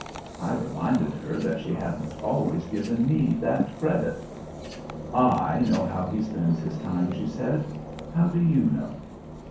I reminded her that she hadn't always given me that credit. "I know how he spends his time," she said. "How do you know?"